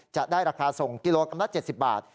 จะได้ราคาส่งกิโลกรัมละ๗๐บาท